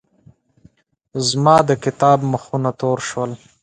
زما د کتاب مخونه تور شول.